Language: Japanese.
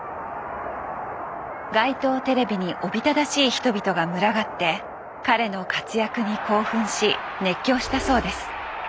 街頭テレビにおびただしい人々が群がって彼の活躍に興奮し熱狂したそうです。